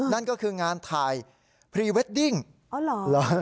นั่นก็คืองานถ่ายพรีเวดดิ้งอ๋อเหรอ